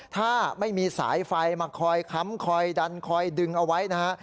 ถ้าไม่มีสายไฟมาคอยค้ำคอยดันคอยดึงเอาไว้นะฮะ